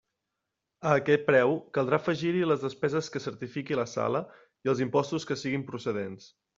A aquest preu, caldrà afegir-hi les despeses que certifiqui la sala i els impostos que siguin procedents.